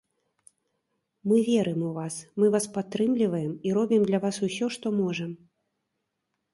Мы верым у вас, мы вас падтрымліваем і робім для вас усё, што можам.